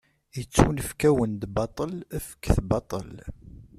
Ittunefk-awen-d baṭel, fket baṭel.